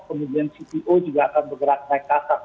kemudian cpo juga akan bergerak naik kasar